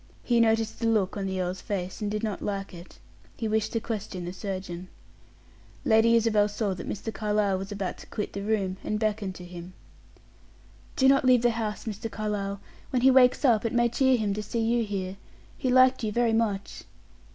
He noticed the look on the earl's face, and did not like it; he wished to question the surgeon. Lady Isabel saw that Mr. Carlyle was about to quit the room, and beckoned to him. "Do not leave the house, Mr. Carlyle. When he wakes up, it may cheer him to see you here; he liked you very much."